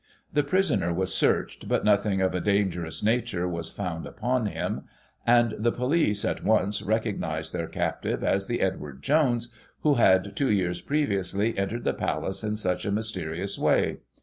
The prisoner was searched, but nothing of a dangerous nature was found upon him, and the police, at once, recognised their captive as the Edward Jones, who had, two years previously, entered the palace in such a mysterious way.